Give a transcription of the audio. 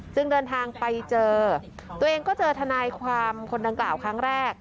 เดินทางไปเจอตัวเองก็เจอทนายความคนดังกล่าวครั้งแรก